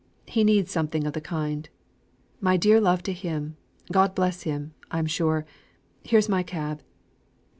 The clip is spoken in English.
He needs something of the kind my dear love to him God bless him. I'm sure here's my cab.